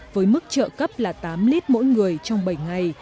với mức trợ cấp là tám lít mỗi người trong bảy ngày